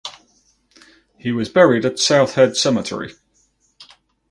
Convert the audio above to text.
He was buried at South Head Cemetery.